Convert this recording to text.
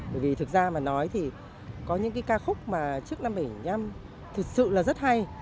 bởi vì thực ra mà nói thì có những ca khúc mà trước năm một nghìn chín trăm bảy mươi năm thật sự là rất hay